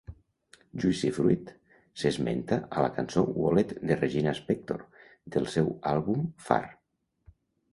Juicy Fruit s'esmenta a la cançó Wallet de Regina Spektor del seu àlbum Far.